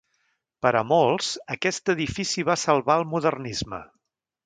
Per a molts, aquest edifici va salvar el modernisme.